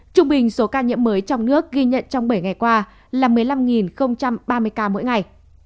trung bình số ca nhiễm mới trong nước ghi nhận trong bảy ngày qua là một mươi năm ba mươi ca mỗi ngày